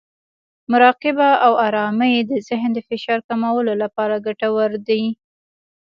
مراقبه او ارامۍ د ذهن د فشار کمولو لپاره ګټورې دي.